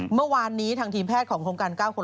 เมื่อวานนี้ทางทีมแพทย์ของโครงการ๙คน